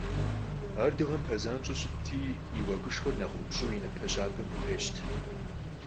Ар дыгъэм пэзанщӀэу щытти, и уэгушхэр нэхъ ӀупщӀу и напэ щабэм къытещырт.